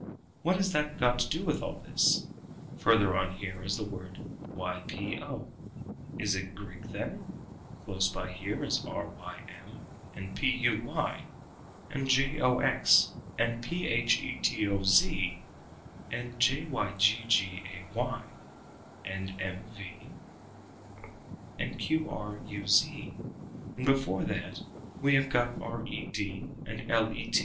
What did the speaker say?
What has that got to do with all this? Further on here is the word ypo. Is it Greek, then? Close by here is rym and puy, and jox, and phetoz, and jyggay, and mv, and qruz. And before that we have got red and let.